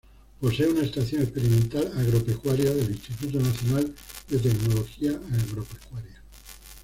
Posee una "Estación Experimental Agropecuaria", del Instituto Nacional de Tecnología Agropecuaria